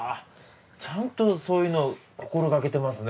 ちゃんとそういうの心がけてますね